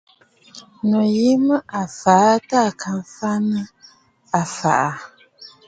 Ŋù yìi mə a fàꞌà aa tâ à ka mfaꞌa nɨ a fa aà.